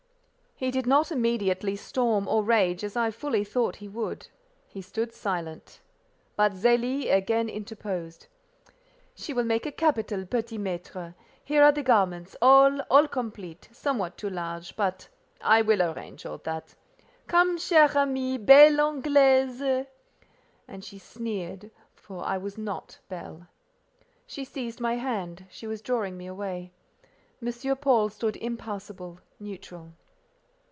He did not immediately storm or rage, as I fully thought he would he stood silent. But Zélie again interposed. "She will make a capital petit mâitre. Here are the garments, all—all complete: somewhat too large, but—I will arrange all that. Come, chère amie—belle Anglaise!" And she sneered, for I was not "belle." She seized my hand, she was drawing me away. M. Paul stood impassable—neutral.